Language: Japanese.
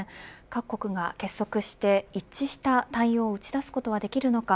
各国が結束して一致した対応を打ち出すことができるのか。